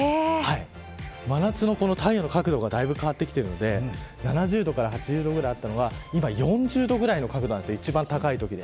真夏の太陽の角度がだいぶ変わってきているんで７０度から８０度ぐらいあったのが今は４０度ぐらいの角度なんです、一番高いときで。